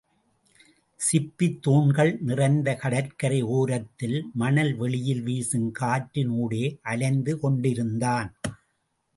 சிப்பித் தூண்கள் நிறைந்த கடற்கரை ஓரத்தில், மணல் வெளியில் வீசும் காற்றின் ஊடே அலைந்து கொண்டிருந்தான்.